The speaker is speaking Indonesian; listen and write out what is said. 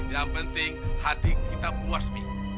yang penting hati kita puas mi